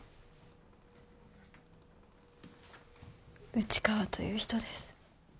内川という人です。